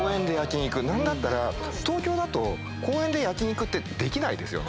何だったら東京だと公園で焼肉できないですよね。